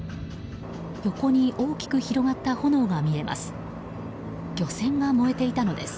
横に大きく広がった炎が見えます。